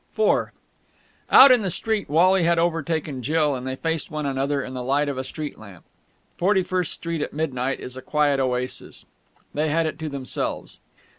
IV Out in the street Wally had overtaken Jill, and they faced one another in the light of a street lamp. Forty first Street at midnight is a quiet oasis. They had it to themselves.